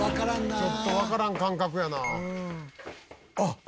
ちょっとわからん感覚やな。